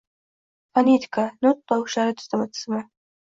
Fonetika - nutq tovushlari tizimi